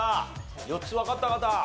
４つわかった方？